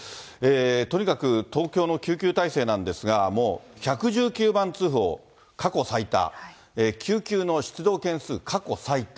とにかく東京の救急体制なんですが、もう、１１９番通報過去最多、救急の出動件数過去最多。